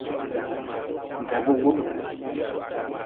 Debgu.